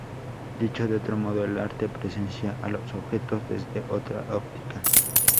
Dicho de otro modo, el arte presenta a los objetos desde otra óptica.